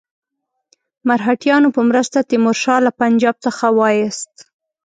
مرهټیانو په مرسته تیمور شاه له پنجاب څخه وایست.